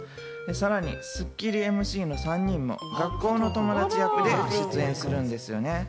さらに『スッキリ』ＭＣの３人も学校の友達役で出演するんですよね。